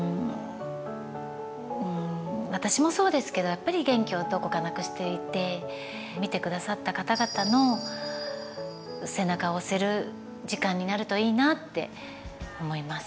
私もそうですけどやっぱり元気をどこかなくしていて見てくださった方々の背中を押せる時間になるといいなって思います。